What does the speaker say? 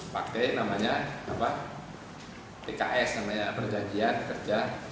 pakai namanya tks namanya perjanjian kerja sama